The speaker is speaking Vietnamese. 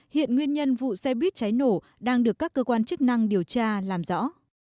hiện nguyên nhân vụ xe buýt cháy nổ đang được các cơ quan chức năng điều tra làm rõ